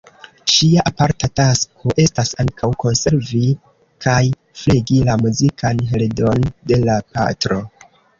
Ŝia aparta tasko estas ankaŭ konservi kaj flegi la muzikan heredon de la patro.